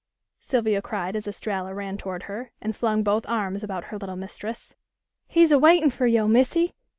Sylvia cried as Estralla ran toward her and flung both arms about her little mistress. "He's a waitin' fer yo', Missy!